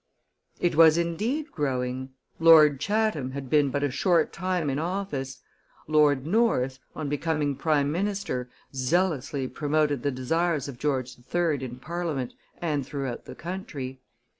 It was indeed growing. Lord Chatham had been but a short time in office; Lord North, on becoming prime minister, zealously promoted the desires of George III. in Parliament and throughout the country.